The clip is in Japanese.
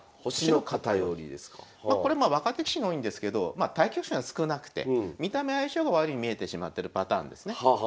これまあ若手棋士に多いんですけどまあ対局数が少なくて見た目相性が悪いように見えてしまってるパターンですね。